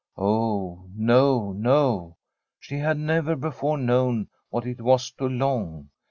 Oh no, no ! She had never before known what it was to long.